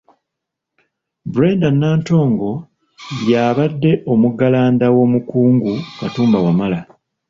Brenda Nantongo y’abadde omuggalanda w'omukungu Katumba Wamala.